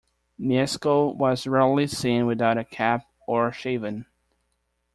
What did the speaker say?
Mieszko was rarely seen without a cap or shaven.